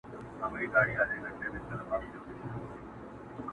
دا ماته هینداره جوړومه نور .